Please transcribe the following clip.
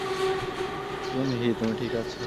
Yoon Hee, তুমি ঠিক আছ?